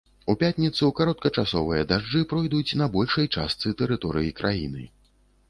У пятніцу кароткачасовыя дажджы пройдуць на большай частцы тэрыторыі краіны.